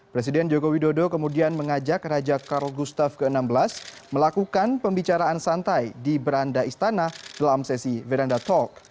presiden jokowi dodo kemudian mengajak raja karl gustav xvi melakukan pembicaraan santai di beranda istana dalam sesi veranda talk